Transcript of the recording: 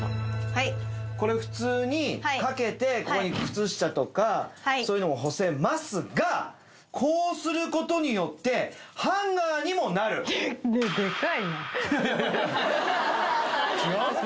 はいこれ普通にかけてここに靴下とかはいそういうのも干せますがこうすることによってハンガーにもなるいやいや